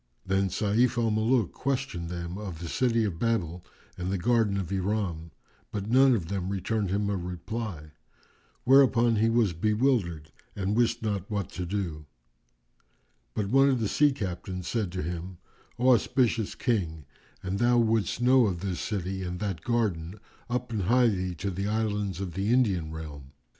Then Sayf al Muluk questioned them of the City of Babel and the Garden of Iram, but none of them returned him a reply, whereupon he was bewildered and wist not what to do; but one of the sea captains said to him, "O auspicious King, an thou wouldst know of this city and that garden, up and hie thee to the Islands of the Indian realm."